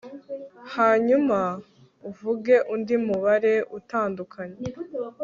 hanyuma uvuge undi mubare utandukanye